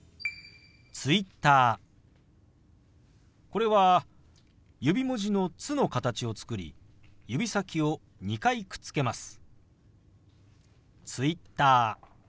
これは指文字の「つ」の形を作り指先を２回くっつけます。